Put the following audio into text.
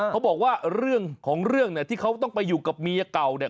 เขาบอกว่าเรื่องของเรื่องเนี่ยที่เขาต้องไปอยู่กับเมียเก่าเนี่ย